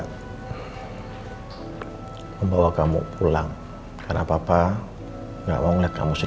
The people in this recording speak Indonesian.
kehidupan pertama kali kulik suku